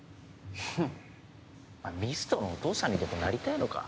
ふっ「ミスト」のお父さんにでもなりたいのか？